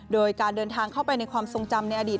โดยการเดินทางเข้าไปในความทรงจำในอดีต